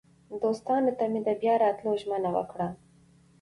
دوستانو ته مې د بیا راتلو ژمنه وکړه.